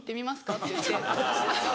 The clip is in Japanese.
って言って。